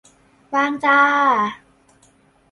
ว่างจ้า